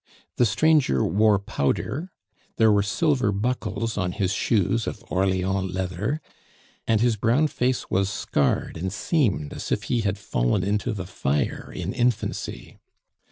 The stranger wore powder, there were silver buckles on his shoes of Orleans leather, and his brown face was scarred and seamed as if he had fallen into the fire in infancy.